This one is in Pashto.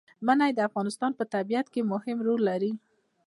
منی د افغانستان په طبیعت کې مهم رول لري.